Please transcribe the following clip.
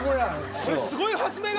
これすごい発明が！